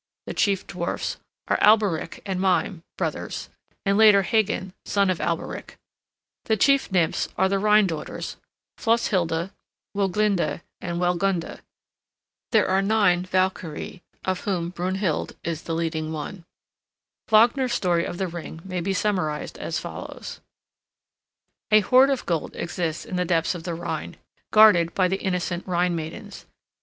The chief dwarfs are Alberich and Mime, brothers, and later Hagan, son of Alberich. The chief nymphs are the Rhine daughters, Flosshilda, Woglinda, and Wellgunda. There are nine Valkyrie, of whom Brunhild is the leading one. Wagner's story of the Ring may be summarized as follows: A hoard of gold exists in the depths of the Rhine, guarded by the innocent Rhine maidens.